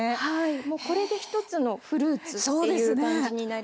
もうこれで一つのフルーツっていう感じになります。